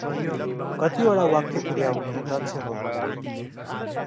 कति वटा वाक्य पुर्याउने लक्ष्य हो हाम्रो?